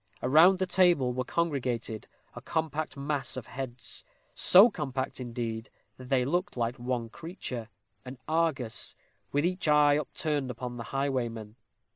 Around the table were congregated a compact mass of heads; so compact, indeed, that they looked like one creature an Argus, with each eye upturned upon the highwayman.